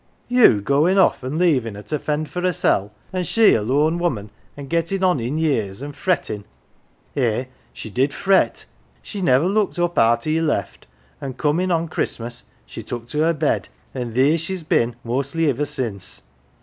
" You goin' off an' leavin' her to fend for hersel', an' she a lone woman, an' gettin' on in years, an' frettin' eh, she did fret ! She never looked up arter ye left, an' com in' on Christmas she took to her bed, an' theer's she's been mostly iver since.